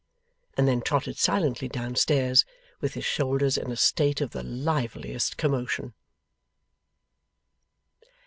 And then trotted silently downstairs, with his shoulders in a state of the liveliest commotion.